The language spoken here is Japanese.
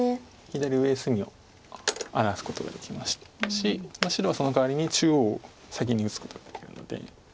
左上隅を荒らすことができましたし白はそのかわりに中央を先に打つことができるので。